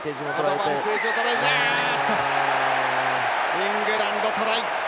イングランド、トライ。